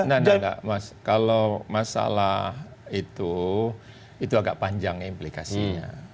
nggak nggak nggak kalau masalah itu itu agak panjang implikasinya